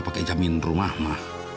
pake jamin rumah mah